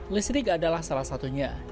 listrik adalah salah satunya